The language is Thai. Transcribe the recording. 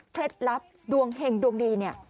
ลับดวงเห็งดวงดีเนี่ย